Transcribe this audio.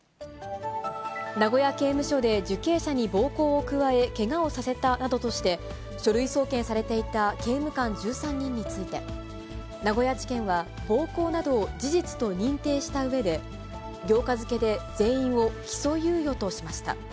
名古屋刑務所で受刑者に暴行を加え、けがをさせたなどとして、書類送検されていた刑務官１３人について、名古屋地検は、暴行などを事実と認定したうえで、８日付で全員を起訴猶予としました。